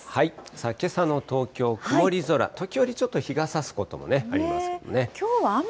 さあ、けさの東京、曇り空、時折ちょっと日がさすこともありますけどもね。